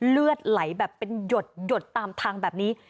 เลือดไหลแบบเป็นหยดตามทางแบบนี้